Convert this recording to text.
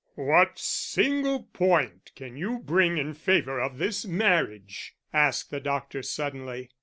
"What single point can you bring in favour of this marriage?" asked the doctor, suddenly.